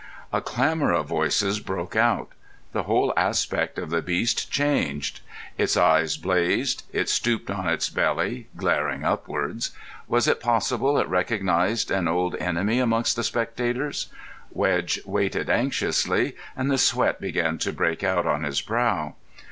A clamour of voices broke out. The whole aspect of the beast changed. Its eyes blazed. It stooped on its belly, glaring upwards. Was it possible it recognised an old enemy amongst the spectators? Wedge waited anxiously, and the sweat began to break out on his brow.